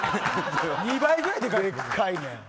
２倍ぐらいでかいねん。